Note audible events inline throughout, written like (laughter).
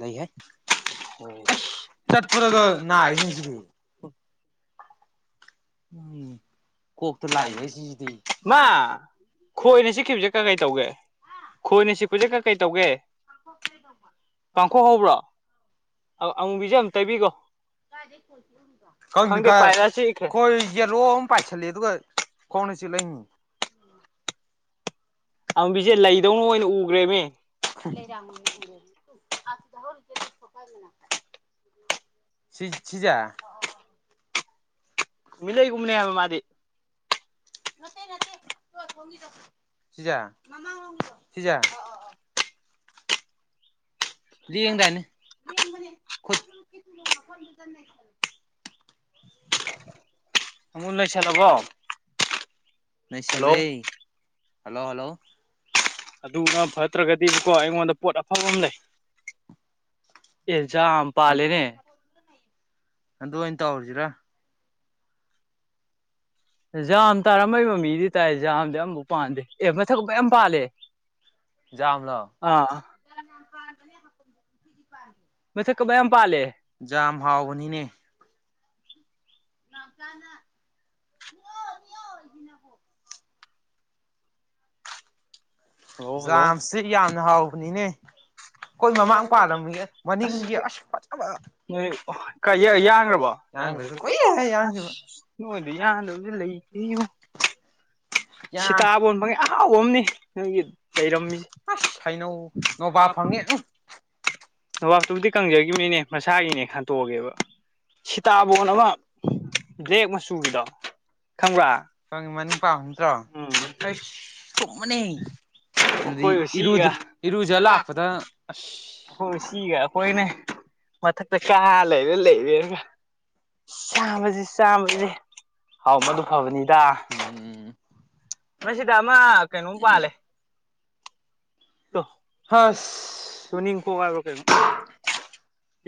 ꯂꯩꯍꯦ ꯑꯁ ꯆꯠꯄꯥꯗꯒ ꯅꯥꯏꯍꯦ ꯁꯤꯗꯤ ꯎꯝ ꯀꯣꯛꯇ ꯂꯥꯛꯏꯍꯦ ꯁꯤꯖꯤꯗꯤ ꯃꯥ ꯈꯣꯏ ꯈꯣꯏꯅ ꯆꯤꯛꯈꯤꯕꯁꯦ ꯀꯩ ꯀꯀꯩ ꯀꯩꯇꯧꯒꯦ ꯇꯧꯒꯦ ꯈꯣꯏ ꯈꯣꯏꯅ ꯆꯤꯛꯈꯤꯕꯁꯦ ꯆꯤꯛꯄꯁꯦ ꯀꯀꯩ ꯀꯩꯗꯧꯒꯦ ꯇꯧꯒꯦ ꯄꯥꯡꯈꯣꯛ ꯍꯧꯕ꯭ꯔꯣ ꯑꯃꯨꯕꯤꯁꯦ (unintelligible) ꯑꯝ (unintelligible) ꯇꯩꯕꯤꯈꯣ ꯀꯥꯏꯗꯩ ꯈꯣꯢ ꯆꯤꯛꯎꯔꯤꯕ ꯈꯪꯗꯦ ꯀꯥꯏ ꯄꯥꯏꯔ ꯆꯤꯛꯈ꯭ꯔꯦ ꯈꯣ ꯈꯣꯏ ꯌꯦꯂꯣ ꯑꯃ ꯄꯥꯏꯁꯜꯂꯛꯑꯦ ꯑꯗꯨꯒ ꯈꯣꯡꯗ ꯆꯤꯛꯂꯛꯏꯅꯤ ꯑꯃꯨꯕꯤꯁꯦ ꯂꯩꯗꯧꯅ ꯑꯣꯏꯅ ꯎꯒ꯭ꯔꯦꯃꯦ (unintelligible) ꯁꯤ ꯁꯤꯖꯦ ꯅꯨꯃꯤꯠꯂꯩ ꯒꯨꯝꯕꯅꯦꯕ ꯃꯥꯗꯤ ꯅꯠꯇꯦ ꯅꯠꯇꯦ ꯇꯨ ꯑꯁꯣꯝꯒꯤꯗꯣ ꯁꯤꯖꯦ ꯃꯃꯥꯡꯂꯣꯝꯒꯤꯗꯣ ꯁꯤꯖꯦ ꯂꯦꯡꯗꯥꯏꯅꯦ ꯂꯦꯡꯕꯅꯤ ꯈꯣꯡꯗ ꯀꯟ ꯅꯩꯁꯜꯂꯨ ꯑꯃꯨ ꯅꯩꯁꯜꯂꯕꯣ ꯅꯩꯁꯜꯂꯦ ꯍꯜꯂꯣ ꯍꯜꯂꯣ ꯑꯗꯨꯅ ꯐꯠꯇ꯭ꯔꯒꯗꯤꯕꯀꯣ ꯑꯩꯉꯣꯟꯗ ꯄꯣꯠ ꯑꯐꯕ ꯑꯃ ꯂꯩ ꯑꯦ ꯖꯥꯝ ꯄꯥꯜꯂꯦꯅꯦ ꯑꯗꯨ ꯑꯣꯏꯅ ꯇꯧꯔꯁꯤꯔꯥ ꯖꯥꯝ ꯇꯥꯔꯝꯕꯩ ꯃꯃꯤꯗꯤ ꯇꯥꯏ ꯖꯥꯝꯗꯤ ꯑꯃꯐꯥꯎ ꯄꯥꯟꯗꯦ ꯑꯦ ꯃꯊꯛ ꯃꯌꯥꯝ ꯄꯥꯜꯂꯦ ꯖꯥꯝꯂꯣ ꯑꯥ ꯃꯊꯛꯇ ꯌꯥꯝ ꯄꯥꯜꯂꯦ ꯖꯥꯝ ꯍꯥꯎꯕꯅꯤꯅꯦ ꯅꯥꯎꯆꯥꯅ ꯅꯤꯛꯑꯣ ꯅꯤꯛꯑꯣꯖꯤꯅꯕꯨ ꯍꯜꯂꯣ ꯍꯜꯂꯣ ꯖꯥꯝꯁꯤ ꯌꯥꯝꯅ ꯍꯥꯎꯕꯅꯤꯅꯦ ꯈꯣꯏ ꯃꯃꯥꯡ ꯃꯄꯥꯂꯝꯃꯤꯌꯦ ꯃꯅꯤꯡꯒꯤ ꯑꯁ ꯐꯖꯕ ꯅꯣꯏ ꯌꯥ ꯌꯥꯟꯒ꯭ꯔꯥꯕꯣ ꯌꯥꯟꯒ꯭ꯔꯦ ꯌꯥꯟꯒꯔꯦꯗ ꯀꯨꯏꯔꯦ ꯀꯨꯏꯔꯦꯗ ꯌꯥꯟꯒꯤꯕ ꯅꯣꯏꯅ ꯌꯥꯗꯕꯁꯦ ꯂꯩ ꯇꯦꯉꯣ (inaudible) ꯌꯥꯝ ꯁꯤꯇꯥꯕꯣꯟ ꯐꯪꯉꯦ ꯑꯍꯥꯎꯕ ꯑꯃꯅꯤ ꯅꯣꯏꯒꯤ ꯂꯩꯔꯝꯃꯤꯁꯦ ꯑꯁ ꯍꯩꯅꯧ ꯅꯣꯕꯥ ꯐꯪꯉꯤ ꯎꯝ ꯅꯕꯥꯞꯇꯨꯕꯨꯗꯤ ꯀꯪꯖꯒꯤꯝꯃꯤꯅꯦ ꯃꯁꯥꯒꯤꯅꯦ ꯈꯟꯇꯣꯛꯑꯒꯦꯕ ꯁꯤꯇꯥꯕꯣꯟ ꯑꯃꯥ ꯕꯂꯦꯛ ꯃꯆꯨꯒꯤꯗꯣ ꯈꯪꯕ꯭ꯔꯥ ꯈꯪꯉꯤ ꯃꯅꯨꯤꯡ ꯄꯥꯟꯕ ꯅꯠꯇ꯭ꯔꯣ ꯎꯝ ꯍꯩꯁ ꯊꯨꯝꯕꯅꯦ ꯑꯗꯨꯗꯩ ꯑꯩꯈꯣꯏ ꯎꯆꯤꯒ ꯏꯔꯨꯖ ꯏꯔꯨꯖ ꯂꯥꯛꯄꯥꯗ ꯑꯁ (unintelligible) ꯁꯤꯒ ꯑꯩꯈꯣꯏꯅꯦ ꯃꯊꯛꯇ ꯀꯥ ꯂꯩꯔꯦ ꯂꯩꯔꯦꯒ ꯆꯥꯕꯖꯤ ꯆꯥꯕꯖꯤ ꯍꯥꯎ ꯃꯗꯨ ꯐꯕꯅꯤꯗ ꯎꯝ ꯅꯣꯏꯁꯤꯗ ꯑꯃ ꯀꯩꯅꯣꯝ ꯄꯥꯜꯂꯦ ꯇꯨ ꯍꯁ ꯇꯨꯅꯤꯡꯈꯣꯛ ꯍꯣꯏꯕ꯭ꯔꯥ ꯀꯩꯅꯣ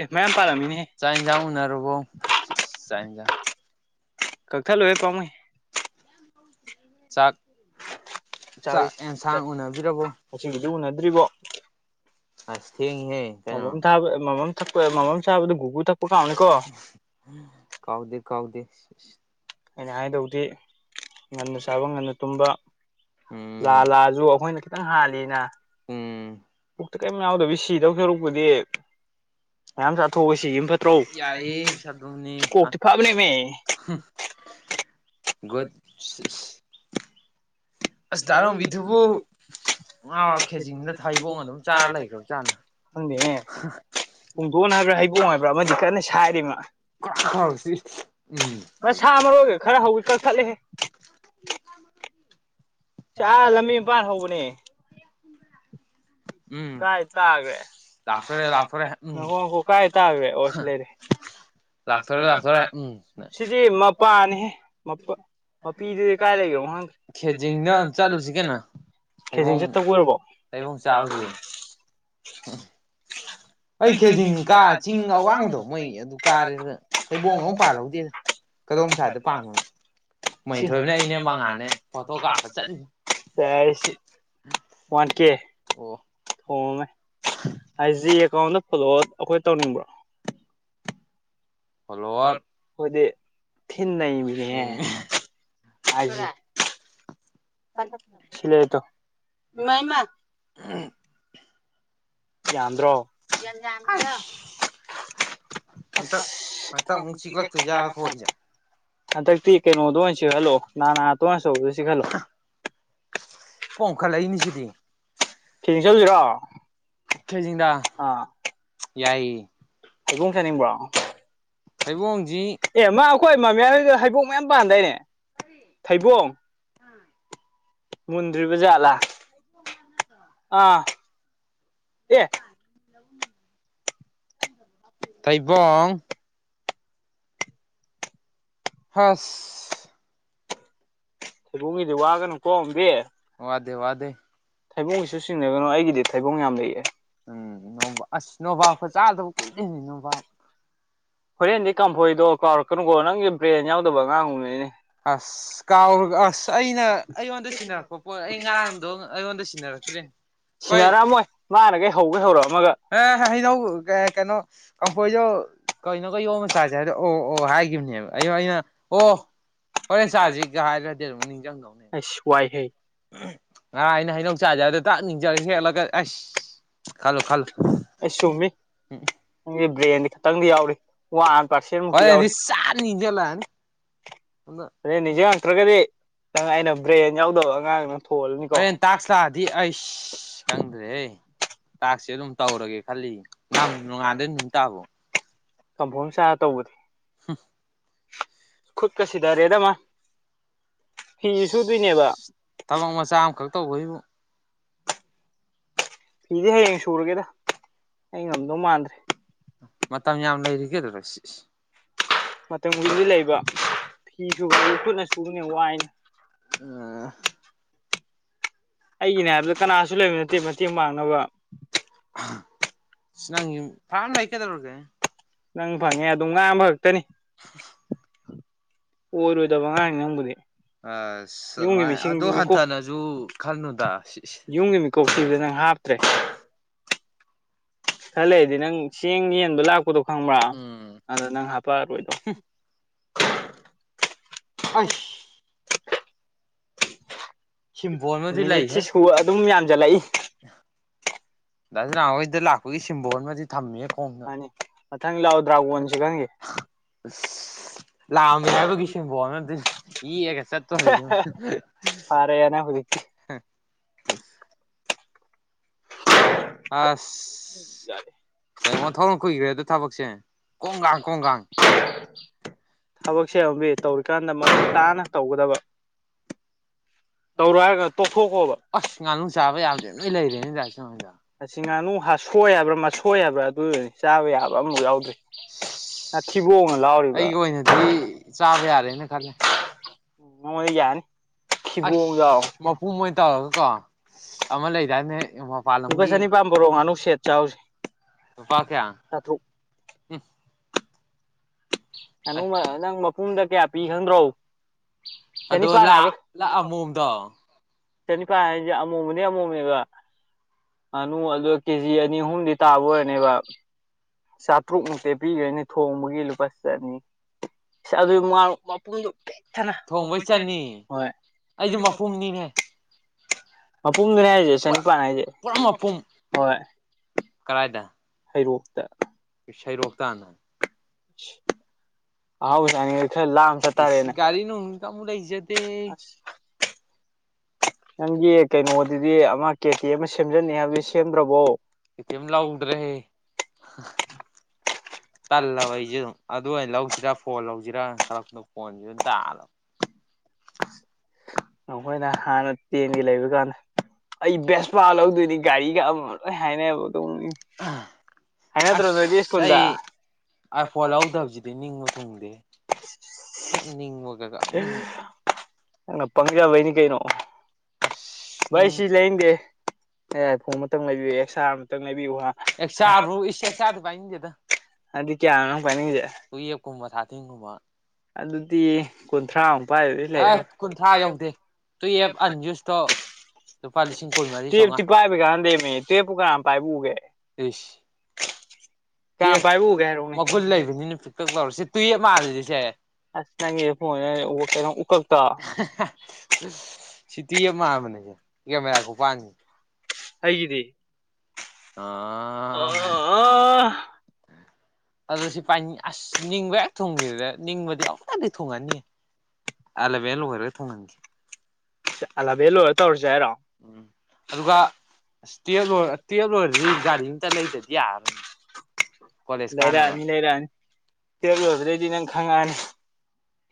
ꯑꯦ ꯃꯌꯥꯝ ꯄꯥꯜꯂꯝꯃꯤꯅꯦꯍꯦ ꯆꯥꯛ ꯏꯟꯖꯥꯡ ꯎꯅꯔꯕꯣ ꯏꯁ ꯆꯥꯛ ꯏꯟꯖꯥꯡ ꯀꯛꯊꯠꯂꯣꯍꯦ ꯄꯥꯝꯃꯨꯏ ꯆꯥꯛ ꯆꯥꯛ ꯆꯥꯔꯤꯁꯦ ꯑꯦꯟꯁꯥꯡ ꯆꯠ ꯎꯅꯕꯤꯔꯕꯣ ꯃꯁꯤꯒꯤꯖꯨ ꯎꯅꯗ꯭ꯔꯤꯕꯣ ꯑꯁ ꯊꯦꯡꯉꯤꯍꯦ ꯀꯩꯅꯣ ꯃꯥꯃꯝ ꯊꯥꯕ ꯃꯃꯝ ꯊꯛꯄ ꯃꯃꯝ ꯆꯥꯕꯗ ꯒꯨꯒꯨ ꯊꯛꯄ ꯀꯥꯎꯅꯤꯀꯣ ꯀꯥꯎꯗꯦ ꯀꯥꯎꯗꯦ ꯑꯩꯅ ꯍꯥꯏꯗꯧꯗꯤ ꯉꯟꯅ ꯆꯥꯕ ꯉꯟꯅ ꯇꯨꯝꯕ ꯂꯥ ꯎꯝ ꯂꯥꯁꯨ ꯑꯩꯈꯣꯏꯅ ꯈꯤꯇꯪ ꯍꯥꯜꯂꯤꯅ (inaudible) ꯎꯝ ꯄꯨꯛꯇ ꯀꯩꯝ ꯌꯥꯎꯗꯕꯤ ꯁꯤꯗꯧ ꯁꯔꯛꯄꯨꯗꯤ (unintelligible) ꯌꯥꯏꯍꯦ ꯀꯣꯛꯇꯤ ꯐꯕꯅꯦꯃꯦ (unintelligible) ꯒꯨꯠ (unintelligible) ꯗꯥꯔꯣꯝꯕꯤꯗꯨꯕꯨ ꯃꯥ ꯈꯦꯖꯤꯡꯗ ꯊꯩꯕꯣꯡ ꯑꯗꯨꯝ ꯆꯥꯔ ꯂꯩꯈ꯭ꯔꯕ ꯖꯥꯠꯂ ꯈꯪꯗꯦꯅꯦ ꯄꯨꯡꯗꯣꯟ ꯍꯥꯏꯕ꯭ꯔꯥ ꯍꯩꯕꯣꯡ ꯍꯥꯏꯕ꯭ꯔꯥ ꯑꯃꯗꯤ ꯀꯟꯅ ꯁꯥꯏꯔꯤ ꯃꯥ ꯀ꯭ꯔꯥꯛ ꯈꯥꯎꯁꯤ ꯎꯝ ꯃꯁꯥ ꯃꯔꯨꯒ ꯈꯔ ꯍꯧꯖꯤꯛ ꯀꯛꯊꯠꯂꯦꯍꯦ ꯆꯥ ꯂꯝꯕꯤ ꯃꯄꯥꯥꯟ ꯍꯧꯕꯅꯦ (inaudible) ꯎꯝ ꯀꯥꯏ ꯇꯥꯈ꯭ꯔꯦ ꯂꯥꯛꯇ‌ꯣꯔꯦ ꯂꯥꯛꯇ‌ꯣꯔꯦ ꯎꯝ ꯉꯥꯏꯈꯣ ꯉꯥꯏꯈꯣ ꯀꯥꯏ ꯇꯥꯈ꯭ꯔꯦ ꯑꯣ ꯁꯤ ꯂꯩꯔꯦ ꯂꯥꯛꯇ‌ꯣꯔ‌ꯦ ꯂꯥꯛꯇ‌ꯣꯔꯦ ꯎꯝ ꯁꯤꯗꯤ ꯃꯄꯥꯅꯤꯍꯦ ꯃꯄꯥ ꯃꯄꯤꯗꯨꯗꯤ ꯀꯥꯏ ꯂꯩꯈꯔꯕꯅ‌ꯣ ꯈꯦꯖꯤꯡꯗ ꯆꯠꯂꯨꯁꯤ ꯀꯩꯅꯣ ꯈꯪꯗ‌ꯦ ꯈꯦꯖꯤꯡ ꯊꯩꯕꯣꯡ ꯆꯠꯇꯕ ꯑꯣꯏꯔꯕꯣ ꯊꯩꯕꯣꯡ ꯆꯥꯎꯁꯦ (inaudible) ꯑꯩ ꯈꯦꯗꯤꯡ ꯈꯦꯖꯤꯡ ꯀꯥ ꯆꯤꯡ ꯑꯋꯥꯡꯕꯗꯣ ꯃꯣꯏ ꯑꯗꯨ ꯑꯋꯥꯡꯕꯗ‌ꯣ ꯀꯥꯔꯦꯗ ꯊꯩꯕꯣꯡ ꯑꯃ ꯄꯥꯜꯍꯧꯗꯦꯗ ꯀꯗꯣꯝ ꯁꯥꯏꯗ ꯄꯥꯟꯕꯅꯣ ꯃꯩꯊꯣꯏꯕꯅꯦ ꯑꯩꯅꯦ ꯃꯉꯥꯜꯅꯦ ꯐꯣꯇꯣ ꯀꯥꯞꯄ ꯆꯠꯂꯤꯅꯤ (unintelligible) ꯁꯤ (unintelligible) (unintelligible) ꯋꯥꯟ ꯀꯦ ꯑꯣ ꯊꯣꯡꯉꯝꯃꯦ ꯍꯥꯏ ꯖꯤ ꯑꯦꯀꯥꯎꯟꯗ ꯐꯣꯂꯣ ꯑꯩꯈꯣꯏ ꯇꯧꯅꯤꯡꯕ꯭ꯔꯣ ꯐꯣꯂꯣꯋꯔ ꯑꯩꯈ‌ꯣꯏꯗꯤ ꯊꯤꯅ ꯅꯩꯕꯅꯤꯍ‌ꯦ ꯎꯝ ꯑꯥꯏ ꯖꯤ ꯁꯤ ꯂꯩꯔ‌ꯦ ꯇꯨ (unintelligible) ꯌꯥꯝꯗ꯭ꯔꯣ ꯍꯟꯇꯛ ꯍꯟꯇꯛ ꯑꯃꯨꯛ ꯆꯤꯛꯂꯛꯇꯣꯏꯖꯥꯠꯂ (unintelligible) ꯈꯣꯏꯁꯦ ꯍꯟꯗꯛꯇꯤ ꯀꯩꯅꯣꯗ ꯑꯣꯏ ꯆꯤꯛꯍꯜꯂꯣ ꯅꯅꯥꯇ‌ꯣꯟ ꯑꯆꯧꯕꯗꯨꯗ ꯆꯤꯛꯍꯜꯂꯣ ꯄꯣꯡꯈꯠꯂꯛꯏꯅ‌ꯦ ꯁꯤꯗꯤ ꯊꯤ ꯆꯠꯂꯤꯔꯣ ꯈꯦꯖꯤꯡꯗ ꯑꯥ ꯌꯥꯏꯌ‌ꯦ ꯍꯩꯕ‌ꯣꯡ ꯆꯅꯤꯡꯕ꯭ꯔꯣ ꯍꯩꯕꯣꯡꯁꯤ ꯃꯥ ꯑꯩꯈꯣꯏ ꯃꯃꯤ ꯍꯣꯏꯗ ꯍꯩꯕꯣꯡ ꯃꯌꯥꯝ ꯄꯥꯟꯗꯥꯏꯅꯦ ꯊꯩꯕꯣꯡ ꯃꯨꯟꯗ꯭ꯔꯤꯕ ꯖꯥꯠꯂꯥ ꯑꯥ ꯑꯦ (unintelligible) ꯊꯩꯕꯣꯡ ꯍꯥꯁ ꯈ‌ꯣꯏꯗꯨꯝꯒꯤꯗꯤ ꯋꯥꯒꯅꯨꯀꯣ (unintelligible) ꯋꯥꯗꯦ ꯋꯥꯗꯦ ꯊꯩꯕꯣꯡꯒꯤꯁꯨ ꯆꯤꯡꯅꯒꯅꯨ ꯑꯩꯒꯤꯗꯤ ꯊꯩꯕꯣꯡ ꯌꯥꯝ ꯂꯩꯌ‌ꯦ ꯎꯝ ꯅꯣꯕꯥ ꯑꯁ ꯅꯣꯕꯥꯞꯀ ꯆꯥꯗꯕ ꯀꯨꯏꯔ‌ꯦꯅ‌ꯦ ꯅꯣꯕꯥꯞ ꯍꯣꯔꯦꯟꯗꯤ ꯀꯝꯐꯣꯏꯗꯣ ꯀꯥꯎꯔꯛꯀꯅꯨꯀꯣ ꯅꯪꯒꯤ ꯕ꯭ꯔꯦꯟ ꯌꯥꯎꯗꯕ ꯑꯉꯥꯡꯒꯨꯝꯅꯤꯅꯦ ꯑꯁ ꯀꯥꯎꯔ‌ꯣꯏ ꯑꯁ ꯑꯩꯅ ꯑꯩꯉꯣꯟꯗ ꯁꯤꯟꯅꯔꯛꯄ ꯄꯣꯠ ꯑꯩ ꯉꯔꯥꯡꯗꯣ ꯑꯩꯉꯣꯟꯗ ꯁꯤꯟꯅꯔꯛꯇ꯭ꯔ‌ꯦꯅꯦ ꯁꯤꯟꯅꯔꯛꯑꯝꯃꯣꯏ ꯃꯥꯅꯈꯩ ꯍꯧꯒꯩ ꯍꯧꯔꯛꯑꯝꯃꯒ ꯍ‌ꯣꯏ (unintelligible) ꯀꯥꯐꯣꯏꯗꯣ ꯀꯩꯅꯣꯒ ꯌꯣꯝꯃ ꯆꯥꯁꯦ ꯍꯥꯏꯕꯗꯣ ꯑꯣ ꯑꯣ ꯍꯥꯏꯈꯤꯕꯅꯦꯕ ꯑꯩꯗ‌ꯣ ꯑꯩꯅ ꯑꯣ ꯍꯣꯔꯦꯟ ꯆꯥꯁꯤꯒ ꯍꯥꯏꯔꯗꯤ ꯑꯗꯨꯝ ꯅꯤꯡꯁꯤꯡꯗꯧꯕ ꯏꯁ ꯋꯥꯏꯍ‌ꯦ ꯉꯔꯥꯡ ꯑꯩꯅ ꯍꯩꯅꯧ ꯆꯥꯥꯁꯦ ꯍꯥꯏꯗꯨꯗ ꯗꯛ ꯅꯤꯡꯁꯤꯡꯉꯥ ꯍꯦꯛꯍꯟꯂꯒ ꯑꯁ ꯑꯩ ꯁꯨꯝꯃꯤꯠ ꯅꯪꯗꯤ ꯕ꯭ꯔꯦꯟꯗꯤ ꯈꯤꯇꯪꯗꯤ ꯌꯥꯎꯔꯤ ꯋꯥꯟ ꯄꯥꯔꯁꯦꯟ ꯃꯨꯛꯇꯤ ꯍ‌ꯣꯔ‌ꯦꯟꯗꯤ ꯌꯥꯎꯔꯤ ꯁꯥꯠ ꯅꯤꯡꯁꯤꯡꯉꯛꯑꯅꯤ ꯍ‌ꯣꯔ‌ꯦꯟ ꯅꯤꯡꯁꯤꯡꯉꯛꯇ꯭ꯔꯒꯗꯤ ꯅꯪ ꯑꯩꯅ ꯕ꯭ꯔꯦꯟ ꯌꯥꯎꯗꯕ ꯑꯉꯥꯡ ꯍꯣꯔꯦꯟ ꯇꯥꯛꯁ ꯂꯥꯛꯑꯗꯤ ꯑꯩꯁ ꯈꯪꯗ꯭ꯔꯦꯍ‌ꯦ ꯇꯥꯛꯁ ꯁꯦ ꯑꯗꯨꯝ ꯇꯧꯔꯒꯦ ꯈꯜꯂꯤꯌ‌ꯦ ꯅꯣꯡꯉꯥꯟꯕꯗꯩ ꯅꯨꯃꯤꯠꯇꯥꯕꯐꯥꯎ ꯀꯝꯐꯣꯏ ꯑꯃ ꯆꯥꯔꯒ ꯇꯧꯕꯗꯤ ꯍ ꯈꯨꯠꯀ ꯁꯤꯗꯔꯦꯗꯃ ꯐꯤ ꯁꯨꯗꯣꯏꯅꯦꯕ ꯊꯕꯛ ꯃꯆꯥ ꯑꯃꯈꯛ ꯇꯧꯕꯩꯕꯨ ꯐꯤꯗꯤ ꯍꯌꯦꯡ ꯁꯨꯔꯒꯦꯗ ꯑꯩ ꯉꯝꯗꯧ ꯃꯥꯟꯗ꯭ꯔꯦ ꯃꯇꯝ ꯌꯥꯝ ꯂꯩꯔꯤꯒꯦꯗꯔ ꯁꯤ ꯃꯇꯝ ꯈꯨꯗꯤꯡꯒꯤ ꯂꯩꯕ ꯐꯤꯁꯨꯕ ꯑꯗꯨ ꯀꯨꯠꯅ ꯁꯨꯕꯅꯦ ꯋꯥꯏꯅꯤ ꯑ ꯑꯩꯒꯤꯅ ꯍꯥꯏꯕꯗ ꯀꯅꯥꯁꯨ ꯂꯩꯕ ꯅꯠꯇꯦ ꯃꯇꯦꯡ ꯄꯥꯡꯅꯕ ꯅꯪ ꯐꯥꯝ ꯂ ꯂꯩ ꯀꯗ ꯑꯣꯔꯒ ꯅꯪ ꯐꯪꯉꯦ ꯑꯗꯨꯝ ꯉꯥꯡꯝꯕ ꯈꯛꯇꯅꯤ ꯑꯣꯗꯕꯉ ꯉꯕꯨꯗꯤ ꯑꯃꯥꯏ ꯑꯗꯣ ꯍꯟꯊꯅꯁꯨ ꯈꯜꯅꯨꯗ ꯀꯧꯊꯤꯗꯨ ꯅꯪ ꯍꯥꯞꯇ꯭ꯔꯦ ꯈꯜꯂꯛꯏꯗꯤ ꯅꯪ ꯆꯦꯡ ꯌꯦꯟꯗꯣ ꯂꯥꯛꯄꯗꯣ ꯈꯪꯕ꯭ꯔꯥ ꯎꯝ ꯑꯗ ꯅꯪ ꯍꯥꯄꯛꯑꯔꯣꯏꯗꯣ (unintelligible) ꯁꯤꯝꯕꯣꯜ ꯑꯃꯗꯤ ꯃꯤꯅꯤꯠꯁꯤ ꯂꯩꯍꯦ ꯁꯨꯕ ꯑꯗꯨꯝ ꯌꯥꯝꯖꯜꯂꯛꯏ ꯂꯅꯅꯥꯋꯥ ꯏꯗ ꯂꯥꯛꯄꯣꯏꯒꯤ ꯁꯤꯚꯣꯟ ꯃꯗꯤ ꯍꯥꯏꯅꯤ ꯃꯊꯪ ꯂꯥꯛꯑꯣꯗ꯭ꯔꯥꯕꯟꯁꯤ ꯈꯪꯒꯦ ꯑ ꯂꯥꯛꯑꯝꯃꯦ ꯍꯥꯏꯕꯒꯤ ꯁꯤꯕꯣꯅꯗꯤ ꯌꯦꯛꯑꯒ ꯆꯠꯇꯣꯔꯤꯁꯤ ꯐꯔꯦ ꯌꯦꯅ ꯍꯗꯤ ꯑꯁ ꯑꯁ ꯀꯩꯅꯣ ꯊꯧꯔꯝ ꯀꯨꯏꯈ꯭ꯔꯦꯗ ꯊꯕꯛꯁꯦ ꯀꯣꯡꯒꯥꯡ ꯀꯣꯡꯒꯥꯡ ꯊꯕꯛ ꯁꯦꯕꯕꯤ ꯇꯧꯔꯤꯀꯥꯟꯗ ꯃꯃꯨ ꯇꯥꯅ ꯇꯧꯒꯗꯕ ꯇꯧꯔ ꯍꯥꯏꯔꯒ ꯇꯣꯛꯊꯣꯛꯈꯣꯕ ꯑꯁ ꯉꯥꯅꯨ ꯆꯥꯕ ꯌꯥꯗꯦ ꯂꯣꯏ ꯂꯩꯔꯦꯅꯤ ꯂꯥꯏꯥꯛꯁꯉꯣꯏꯗ ꯑꯁꯤ ꯉꯥꯅꯨ ꯍꯥꯁꯣꯏ ꯍꯥꯏꯕ꯭ꯔꯥ ꯃꯁꯣꯏ ꯍꯥꯏꯕ꯭ꯔꯥ ꯑꯗꯨꯅꯦ ꯆꯥꯕ ꯌꯥꯕ ꯑꯃꯐꯛ ꯌꯥꯎꯗꯦ ꯉ ꯊꯤꯕꯣꯡꯅ ꯂꯥꯎꯔꯤꯕ ꯑꯩꯒꯤ ꯑꯣꯏꯅꯗꯤ ꯆꯥꯕ ꯌꯥꯔꯦꯅ ꯈꯜꯂꯦ ꯃꯉꯣꯟꯗ ꯌꯥꯅꯤ ꯊꯤꯕꯣꯡ ꯌꯥꯎ ꯑꯁ ꯃꯄꯨꯝ ꯑꯣꯏꯅ ꯇꯧꯔꯒ ꯀꯣ ꯑꯃ ꯂꯩꯗꯥꯏꯅꯦ ꯃꯄꯥꯟ ꯂꯝꯒꯤ ꯂꯄꯥꯁꯥꯅꯤ ꯄꯥꯝꯝꯕ ꯔꯣꯉꯥꯅ ꯁꯦꯠ ꯆꯥꯎꯁ ꯂꯨꯄꯥ ꯀꯌꯥ ꯆꯇ꯭ꯔꯨꯛ ꯎꯝ ꯀꯥꯅꯨ ꯅꯪ ꯃꯄꯨꯝꯗ ꯀꯌꯥ ꯄꯤ ꯈꯪꯗ꯭ꯔꯣ ꯆꯅꯤ ꯑꯗꯣ ꯄꯅꯦ ꯂꯥꯛ ꯂꯥꯛ ꯑꯃꯣꯝꯗꯣ ꯆꯅꯤ ꯀꯥꯏ ꯍꯥꯏꯦ ꯑꯃꯃꯣꯃꯅꯤ ꯑꯃꯃꯣꯃꯦꯒ ꯉꯥꯅꯨ ꯑꯗꯨ ꯀꯦꯖꯤ ꯑꯅꯤ ꯑꯍꯨꯝꯗꯤ ꯇꯥꯕ ꯑꯣꯏꯔꯅꯦꯕ ꯆꯥꯇ꯭ꯔꯨꯛ ꯃꯨꯛꯇꯤ ꯄꯤꯈꯣꯏꯅꯤ ꯊꯣꯡꯕꯒꯤ ꯂꯨꯄꯥ ꯆꯅꯤ ꯑꯗꯨ ꯃꯄꯨꯝꯗꯨꯣ ꯄꯤꯊꯅ ꯊꯣꯡꯕꯩ ꯆꯅꯤ ꯍꯣꯏ ꯑꯩꯁꯨ ꯃꯄꯨꯝꯅꯤꯅꯦ ꯃꯄꯨꯝ ꯃꯤꯔ ꯍꯥꯏꯖꯦ ꯄꯨꯔꯥ ꯆꯅꯤꯄꯥꯟ ꯍꯥꯏꯁꯦ ꯄꯨꯔꯥ ꯃꯄꯨꯝ ꯍꯣꯏ ꯍꯩꯔꯣꯛꯇ ꯁꯩꯔꯣꯛꯇꯥꯟꯅ ꯑꯍꯥꯎꯁꯅꯤ ꯈꯔ ꯂꯥꯛꯑ ꯑꯃ ꯆꯠꯇꯥꯔꯦꯅꯦ ꯀꯃ ꯂꯩꯥꯏꯁꯦ ꯅꯪꯒꯤ ꯀꯩꯅꯣꯗꯗꯤ ꯑꯃ ꯀꯦꯇꯤ ꯑꯃ ꯁꯦꯝꯖꯟꯅꯤ ꯍꯥꯏꯕꯗꯤ ꯁꯦꯝꯗ꯭ꯔꯕꯣ ꯏꯇ ꯂꯥꯎꯗꯔꯦ ꯇꯜꯂꯥꯕꯏ ꯑꯗꯨꯣ ꯑꯗꯨ ꯑꯩꯅ ꯂꯧꯁꯤꯔꯥ ꯐꯣꯟ ꯂꯧꯁꯤꯔꯥ ꯈꯜꯂꯛꯄꯗꯣ ꯐꯣꯟꯁꯤ ꯑꯗꯨꯝ ꯇꯥꯜꯂꯕ ꯅꯈꯣꯏꯅ ꯍꯥꯟꯅ ꯇꯦꯡꯒꯦ ꯂꯩꯕ ꯀꯥꯟꯗ ꯑꯩ ꯕꯦꯁꯄꯥ ꯂꯧꯗꯣꯏꯅꯤ ꯒꯥꯔꯤ ꯍꯥꯏꯦꯅꯦꯕꯣ ꯇ ꯑꯁ ꯑꯩ ꯑ ꯐꯣꯟ ꯂꯧꯗꯕꯁꯤꯗꯤ ꯅꯤꯡꯕ ꯊꯨꯡꯗꯦ ꯌꯥꯝꯒꯦꯒ ꯎꯝ ꯑ ꯄꯪꯖ ꯋꯥꯅꯤ ꯀꯩꯅꯣ ꯑꯁ ꯚꯥꯏ ꯁꯤ ꯂꯩꯅꯤꯡꯗꯦ ꯑꯦ ꯐꯣꯡ ꯑꯃꯇꯪ ꯂꯩꯕꯤꯌꯨ ꯑꯦꯛꯁꯥ ꯑꯃꯇꯪ ꯂꯩꯕꯤꯌꯨ ꯍꯥ ꯑꯦꯛꯁꯇ꯭ꯔꯥꯕꯨ ꯏꯁ ꯑꯦꯛꯁꯇ꯭ꯔꯥꯗꯤ ꯄꯥꯏꯅꯤꯡꯗꯦꯗ ꯑꯗꯨ ꯀꯌꯥꯅꯣꯨ ꯄꯥꯏꯅꯤꯡꯁꯦ ꯎꯨꯌꯦꯞ ꯀꯨꯝꯕ ꯁꯥꯊꯤꯡꯒꯨꯝꯕ ꯑꯗꯨꯗꯤ ꯀꯨꯟꯊ꯭ꯔꯥꯃꯨ ꯑꯦꯁ ꯀꯨꯟꯊ꯭ꯔꯥ ꯌꯧꯗꯦ ꯇꯨꯌꯦꯞ ꯑꯟ ꯌꯨꯁꯇꯣ ꯇꯤ ꯄꯥꯏꯕ ꯀꯥꯟꯗꯦ ꯇꯦꯕꯨ ꯀ ꯄꯥꯏꯕ ꯎꯒꯦ ꯑꯦꯁ ꯀꯌꯥꯝ ꯄꯥꯏꯕꯒꯦ ꯍꯥꯏꯔꯛꯅꯦꯦ ꯃꯒꯨꯟ ꯂꯩꯕꯅꯤꯅ ꯄꯤꯛꯇꯛ ꯂꯥꯎꯔ ꯁꯤ ꯇꯨꯌꯦꯞ ꯃꯥꯜꯂꯤꯁꯦ ꯑꯁ ꯅꯪ ꯐ ꯁꯤꯇꯤ ꯑꯃ ꯄꯝꯕꯅꯦꯁꯦ ꯀꯦꯃꯦꯔꯥ ꯈ ꯄꯥꯡꯉ ꯑꯩꯒꯤꯗꯤ ꯑꯥ ꯑꯣ ꯑꯗꯨꯣ ꯁꯤ ꯄꯥꯏ ꯑꯁ ꯅꯤꯡꯕ ꯍꯦꯛ ꯊꯨꯡꯈꯤꯗꯗ ꯅꯤꯡꯕꯗꯤ ꯑꯗꯩ ꯊꯣꯡꯉꯅꯤ ꯑꯂꯕꯤꯌꯥ ꯂꯒꯔꯒ ꯊꯣꯡꯒꯦ ꯑꯂꯥꯚꯦꯟ ꯂꯣꯏꯔ ꯇꯧꯔꯁꯦ ꯍꯥꯏꯔꯣ ꯎꯝ ꯑꯗꯨꯒ ꯏꯁꯇꯦꯞ ꯂꯣꯏ ꯇ꯭ꯋꯦꯜꯕ ꯂꯣꯏꯔꯗꯤ ꯒꯥꯔꯤ ꯑꯝꯇ ꯂꯩꯗꯗꯤ ꯌꯥꯔꯔꯣꯏ ꯂꯩꯔꯛꯑꯅꯤ ꯂꯩꯔꯛꯑꯅꯤ ꯇ꯭ꯋꯦꯜꯕ ꯂꯣꯏꯕꯗꯩꯗꯤ ꯅꯪ ꯈꯪꯉꯛꯑꯅꯤ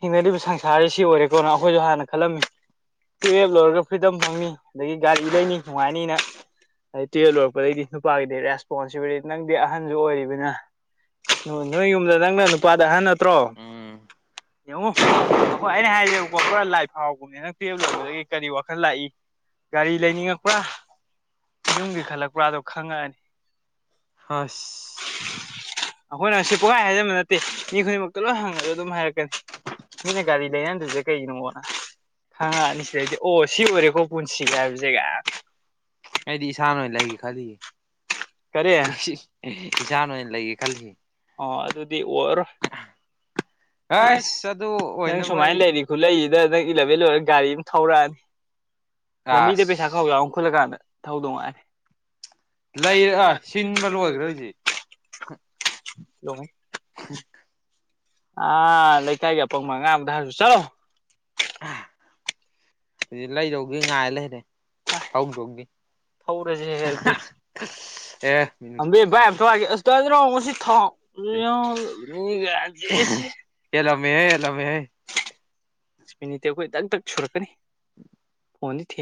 ꯊꯦꯡꯅꯔꯤꯕ ꯁꯪꯁꯥꯔꯖꯤ ꯁꯤ ꯑꯣꯏꯔꯦꯀꯣꯅ ꯑꯈꯣꯏꯁꯨ ꯍꯥꯟꯅ ꯈꯜꯂꯝꯃꯤ ꯇꯨꯋꯦꯜꯞ ꯂꯣꯏꯔꯒ ꯐ꯭ꯔꯤꯗꯝ ꯐꯪꯅꯤ ꯑꯗꯒꯤ ꯒꯥꯔꯤ ꯂꯩꯅꯤ ꯅꯨꯡꯉꯥꯏꯅꯤꯅ ꯑꯗꯩ ꯇ꯭ꯋꯦꯜꯞ ꯂꯣꯏꯔꯛꯄꯗꯩꯗꯤ ꯅꯨꯄꯥꯒꯤꯗꯤ ꯔꯦꯁꯄꯣꯟꯁꯤꯕꯤꯂꯤꯇꯤ ꯅꯪꯗꯤ ꯑꯍꯟꯖꯨ ꯑꯣꯏꯔꯤꯕꯅꯤꯅ (unintelligible) ꯅꯣꯏ ꯌꯨꯝꯗꯣ ꯅꯪꯅ ꯅꯨꯄꯥꯗ ꯑꯍꯟ ꯅꯠꯇ꯭ꯔꯣ ꯎꯝ ꯌꯦꯡꯉꯣ ꯑꯩꯈꯣꯏ ꯑꯩꯅ ꯍꯥꯏꯔꯦꯕꯀꯣ (unintelligible) ꯂꯥꯏ ꯐꯥꯎꯕꯅꯦꯅ ꯇꯨꯋꯦꯜꯞ ꯂꯣꯏꯔꯛꯄꯗꯒꯤ ꯀꯔꯤ ꯋꯥꯈꯜ ꯂꯥꯛꯏ ꯒꯥꯔꯤ ꯂꯩꯅꯤꯡꯉꯛꯄ꯭ꯔꯥ ꯌꯨꯝꯒꯤ ꯈꯜꯂꯛꯄ꯭ꯔꯥꯗꯣ ꯈꯪꯉꯛꯑꯅꯤ ꯍꯁ ꯑꯩꯈꯣꯏꯅ ꯁꯤ ꯄꯨꯡꯍꯥꯏ ꯍꯥꯏꯖꯟꯕ ꯅꯠꯇꯦ ꯃꯤ ꯈꯨꯗꯤꯡꯃꯛꯇ ꯂꯣꯏ ꯍꯪꯉꯁꯨ ꯑꯗꯨꯝ ꯍꯥꯏꯔꯛꯀꯅꯤ ꯃꯤꯅ ꯒꯥꯔꯤ ꯂꯩꯅꯗ꯭ꯔꯤꯁꯦ (unintelligible) ꯀꯩꯒꯤꯅꯣꯅ ꯈꯪꯉꯛꯑꯅꯤ ꯁꯤꯗꯩꯗꯤ ꯑꯣ ꯁꯤ ꯑꯣꯏꯔꯦꯀꯣ ꯄꯨꯟꯁꯤ ꯍꯥꯏꯕꯖꯦ ꯒꯥꯏ ꯑꯩꯗꯤ ꯏꯁꯥꯅ ꯑꯣꯏꯅ ꯂꯩꯒꯦ ꯈꯜꯂꯤꯌꯦ ꯀꯔꯤ ꯏꯁ ꯏꯁ ꯏꯁꯥꯅ ꯑꯣꯏꯅ ꯂꯩꯒꯦ ꯀꯜꯂꯤꯌꯦ ꯑꯣ ꯑꯗꯨꯗꯤ ꯑꯣꯏꯔꯔꯣꯏ ꯑꯁ ꯑꯗꯨ ꯅꯪ ꯑꯣꯏꯅꯕ ꯁꯨꯃꯥꯏꯅ ꯑꯩ ꯂꯩꯔꯤ ꯈꯨꯠꯂꯩꯖꯤꯗ ꯅꯪ ꯏꯂꯚꯦꯟ ꯂꯣꯏꯔ ꯒꯥꯔꯤ ꯑꯃ ꯊꯧꯔꯛꯑ ꯂꯝꯕꯤꯗ ꯑꯁ ꯄꯩꯁꯥ ꯈꯥꯎꯖꯥꯎ ꯑꯃ ꯈꯨꯜꯂꯀꯥꯟꯗ ꯊꯧꯗꯣꯡꯉꯥꯏ ꯂꯩꯔꯦ ꯑꯥ ꯁꯤꯟꯕ ꯂꯣꯏꯒ꯭ꯔꯦ ꯍꯧꯖꯤꯛ (unintelligible) ꯑꯥ ꯂꯩꯀꯥꯏꯒꯤ ꯑꯄꯪꯕ ꯑꯉꯥꯡ ꯑꯃꯗ ꯍꯥꯏꯔꯨ ꯆꯠꯂꯣ ꯍꯨꯖꯤꯛ ꯂꯩꯗꯧꯒꯤ ꯉꯥꯏ ꯂꯩꯔꯦ ꯊꯧꯗꯧꯒꯤ ꯊꯧꯔꯖꯦ ꯍꯦ ꯑꯗꯨꯗꯤ ꯑꯦ ꯑꯝꯕꯤ ꯚꯥꯏꯠ ꯑꯝꯇ ꯋꯥꯏꯒꯦ ꯑꯁ ꯗꯥ ꯖꯤꯅꯥꯎ ꯉꯁꯤ ꯊꯥꯎ (unintelligible) ꯍꯦꯜꯂꯝꯃꯦꯍꯦ ꯍꯦꯜꯂꯝꯃꯦꯍꯦ ꯃꯤꯅꯤꯠꯇꯤ ꯑꯩꯈꯣꯏ ꯗꯛ ꯗꯛ ꯁꯨꯔꯛꯀꯅꯤ (inaudible) ꯐꯣꯟꯗꯤ ꯊꯦ